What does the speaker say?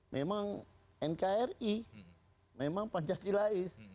memang nkri memang pancasila is